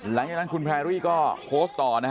หลังจากนั้นคุณแพรรี่ก็โพสต์ต่อนะฮะ